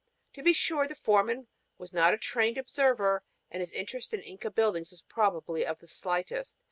To be sure, the foreman was not a trained observer and his interest in Inca buildings was probably of the slightest.